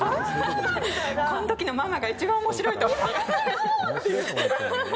この時のママが一番面白いって。